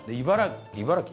茨城？